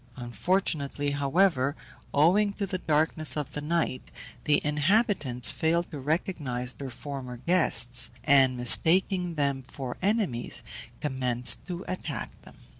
Unfortunately, however, owing to the darkness of the night, the inhabitants failed to recognize their former guests, and, mistaking them for enemies, commenced to attack them.